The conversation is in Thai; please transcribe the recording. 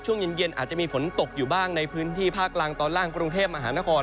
ช่วงเย็นอาจจะมีฝนตกอยู่บ้างในพื้นที่ภาคกลางตอนล่างกรุงเทพมหานคร